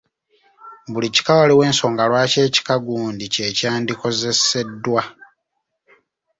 Buli kika waliwo ensonga lwaki ekika gundi kye kyandikozeseddwa!